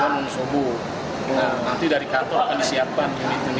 nah nanti dari kantor akan disiapkan